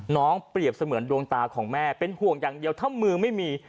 เปรียบเสมือนดวงตาของแม่เป็นห่วงอย่างเดียวถ้ามือไม่มี